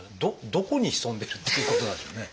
どこに潜んでるっていうことなんでしょうね？